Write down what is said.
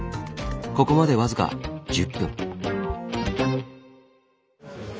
ここまで僅か１０分。